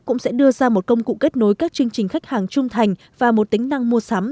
các doanh nghiệp sẽ đưa ra một công cụ kết nối các chương trình khách hàng trung thành và một tính năng mua sắm